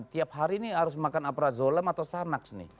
tiap hari ini harus makan aprazolam atau sanaks nih